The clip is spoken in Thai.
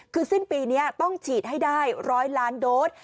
คือสิ้นปีนี้ต้องฉีดให้ได้๑๐๐ล้านโดส